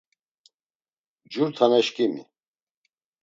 Cur tane şǩimi.